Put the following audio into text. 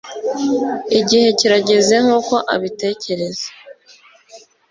Igihe kirageze nkuko abitekereza